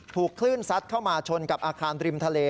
ถูกคลื่นซัดเข้ามาชนกับอาคารริมทะเล